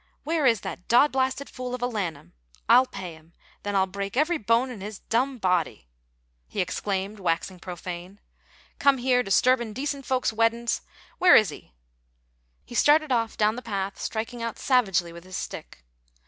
"Where is that dod blasted fool of a Lanham? I'll pay him; then I'll break every bone in his dum body!" he exclaimed, waxing profane. "Come here disturbin' decent folks' weddin's! Where is he?" He started off down the path, striking out savagely with his stick.